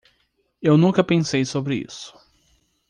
Eu nunca pensei sobre isso.